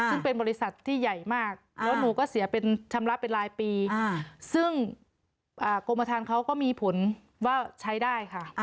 ซึ่งเป็นบริษัทที่ใหญ่มากแล้วหนูก็เสียเป็นชำระเป็นรายปีซึ่งกรมฐานเขาก็มีผลว่าใช้ได้ค่ะ